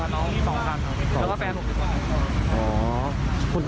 อ๋อไล่ฟันก่อน